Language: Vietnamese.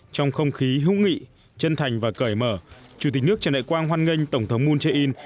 trong không khí hữu nghị chân thành và cởi mở chủ tịch nước trần đại quang hoan nghênh tổng thống moon jae in